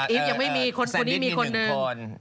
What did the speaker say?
อีฟอย่างไม่มีคนนี้มีคนนึง